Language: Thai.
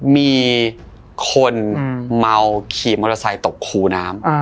มีคนเมาขี่มอเตอร์ไซค์ตกคูน้ำ